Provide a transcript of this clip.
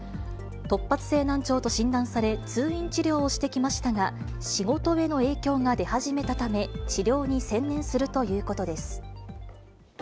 突発性難聴と診断され、通院治療をしてきましたが、仕事への影響が出始めたため、治療に専念するということです。